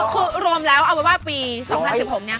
คือรวมแล้วเอาเป็นว่าปี๒๐๑๖เนี่ย